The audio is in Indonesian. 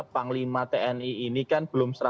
panglima tni ini kan belum